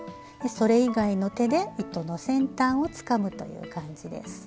それ以外の手で糸の先端をつかむという感じです。